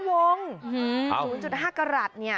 ๐๕กะลัดเนี่ย